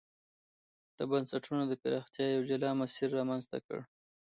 د بنسټونو د پراختیا یو جلا مسیر رامنځته کړ.